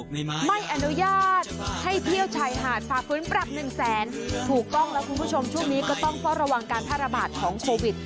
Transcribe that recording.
ไม่อนุญาตให้เที่ยวชายหาดฝ่าฟื้นปรับหนึ่งแสนถูกต้องแล้วคุณผู้ชมช่วงนี้ก็ต้องเฝ้าระวังการแพร่ระบาดของโควิด